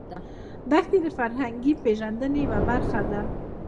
دښتې د فرهنګي پیژندنې یوه برخه ده.